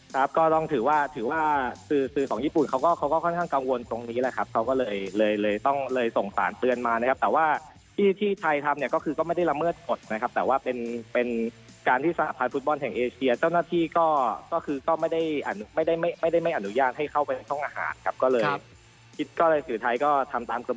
ครับก็ลองถือว่าถือว่าสื่อสื่อของญี่ปุ่นเขาก็เขาก็ค่อนข้างกังวลตรงนี้แหละครับเขาก็เลยเลยเลยต้องเลยส่งสารเตือนมานะครับแต่ว่าที่ที่ไทยทำเนี่ยก็คือก็ไม่ได้ละเมืองหมดนะครับแต่ว่าเป็นเป็นการที่สระพัดฟุตบอลแห่งเอเชียเจ้าหน้าที่ก็ก็คือก็ไม่ได้อ่านไม่ได้ไม่ได้ไม่ได้ไม่อนุญาตให้เข้าเป็นช่องอาหาร